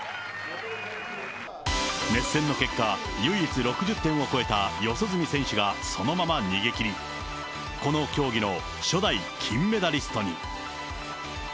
熱戦の結果、唯一６０点を超えた、四十住選手がそのまま逃げ切り、この競技の初代金メダリストに。